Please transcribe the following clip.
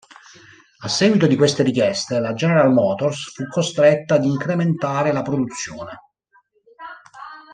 A seguito di queste richieste, la General Motors fu costretta ad incrementare la produzione.